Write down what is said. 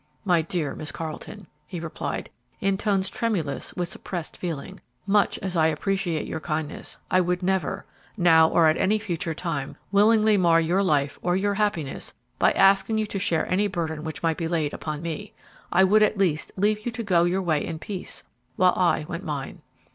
"My dear Miss Carleton," he replied, in tones tremulous with suppressed feeling, "much as I appreciate your kindness, I would never, now or at any future time, willingly mar your life or your happiness by asking you to share any burden which might be laid upon me. I would at least leave you to go your way in peace, while I went mine."